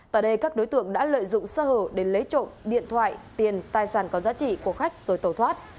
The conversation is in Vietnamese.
tại đây các đối tượng đã lợi dụng sơ hở để lấy trộm điện thoại tiền tài sản có giá trị của khách rồi tẩu thoát